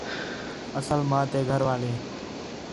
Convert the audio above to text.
اصل ماں تے گھر والے